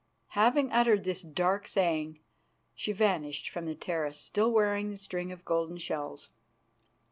Having uttered this dark saying, she vanished from the terrace still wearing the string of golden shells.